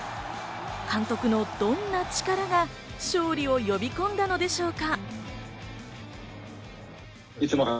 監督のどんな力が勝利を呼び込んだのでしょうか。